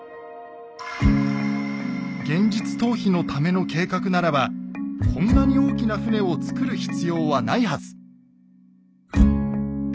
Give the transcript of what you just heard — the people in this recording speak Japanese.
現実逃避のための計画ならばこんなに大きな船を造る必要はないはず。